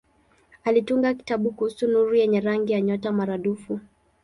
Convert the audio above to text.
Alitunga kitabu kuhusu nuru yenye rangi ya nyota maradufu.